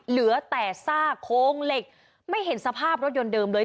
เหลือแต่ซากโครงเหล็กไม่เห็นสภาพรถยนต์เดิมเลย